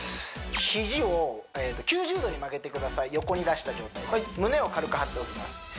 肘を９０度に曲げてください横に出した状態で胸を軽く張っておきます